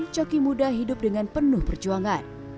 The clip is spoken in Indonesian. coki muda hidup dengan penuh perjuangan